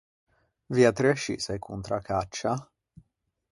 Viatri ascì sei contra a caccia?